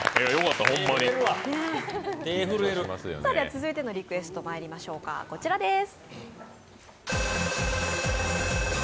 続いてのリクエストにまいりましょうか、こちらです。